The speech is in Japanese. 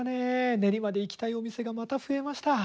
練馬で行きたいお店がまた増えました。